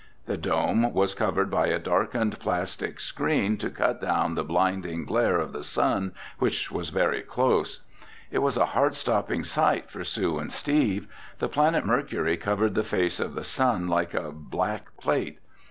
The dome was covered by a darkened plastic screen to cut down the blinding glare of the sun, which was very close. It was a heart stopping sight for Sue and Steve. The planet Mercury covered the face of the sun like a black plate.